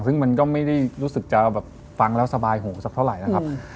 ซึ่งมันก็ไม่ได้รู้สึกจะแบบฟังแล้วสบายหูสักเท่าไหร่นะครับ